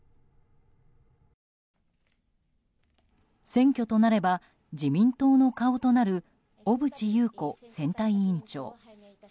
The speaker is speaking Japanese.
選挙となれば自民党の顔となる小渕優子選対委員長。